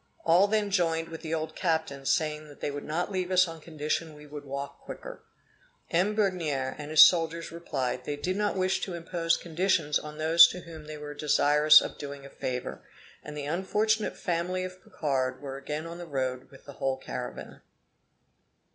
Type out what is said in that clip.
All then joined with the old captain saying they would not leave us on condition we would walk quicker. M. Begnere and his soldiers replied, they did not wish to impose conditions on those to whom they were desirous of doing a favor; and the unfortunate family of Picard were again on the road with the whole caravan.